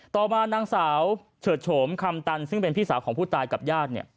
ต่อมานางสาวเฉิดโฉมคำตันซึ่งเป็นพี่สาวของผู้ตายกับญาติเนี่ย